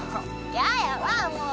ややわもう。